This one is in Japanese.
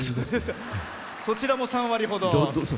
そちらも３割ほど。